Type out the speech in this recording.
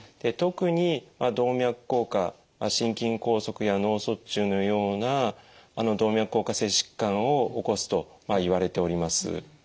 特に動脈硬化心筋梗塞や脳卒中のような動脈硬化性疾患を起こすといわれております。